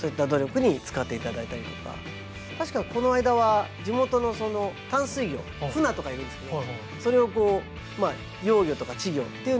確かこの間は地元のその淡水魚フナとかいるんですけどそれをこう幼魚とか稚魚っていうのを養殖していただいて。